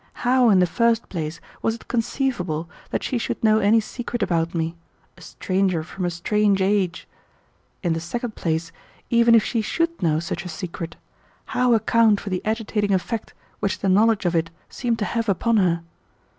How, in the first place, was it conceivable that she should know any secret about me, a stranger from a strange age? In the second place, even if she should know such a secret, how account for the agitating effect which the knowledge of it seemed to have upon her?